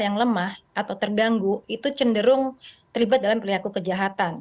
yang lemah atau terganggu itu cenderung terlibat dalam perilaku kejahatan